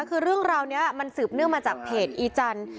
คือเรื่องราวนี้มันสืบเนื่องมาจากเพจอีจันทร์